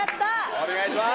お願いします。